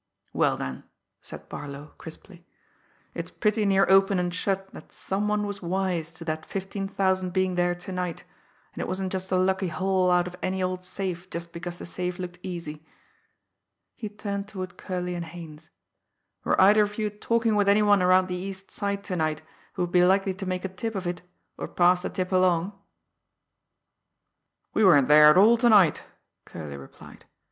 "Well then," said Barlow crisply, "it's pretty near open and shut that some one was wise to that fifteen thousand being there to night, and it wasn't just a lucky haul out of any old safe just because the safe looked easy." He turned toward Curley and Haines. "Were either of you talking with any one around the East Side to night who would be likely to make a tip of it, or pass the tip along?" "We weren't there at all to night," Curley replied.